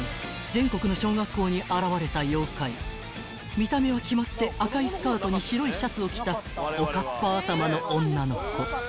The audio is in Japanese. ［見た目は決まって赤いスカートに白いシャツを着たおかっぱ頭の女の子］